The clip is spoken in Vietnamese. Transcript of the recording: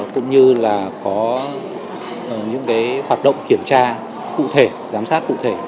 cũng như là có những hoạt động kiểm tra cụ thể giám sát cụ thể